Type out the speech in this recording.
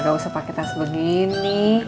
gak usah pakai tas begini